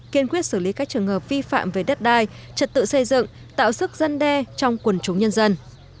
kiên quyết xử lý các trường hợp vi phạm về đất đai trật tự xây dựng tạo sức dân đe trong quần chúng nhân dân